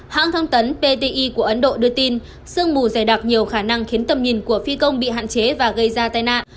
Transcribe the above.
hãng thông tấn pti của ấn độ đưa tin sương mù dày đặc nhiều khả năng khiến tầm nhìn của phi công bị hạn chế và gây ra tai nạn